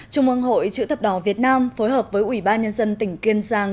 trung ương hội chữ thập đỏ việt nam phối hợp với ủy ban nhân dân tỉnh kiên giang